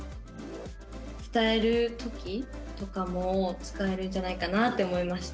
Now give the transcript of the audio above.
伝える時とかも使えるんじゃないかなって思いました。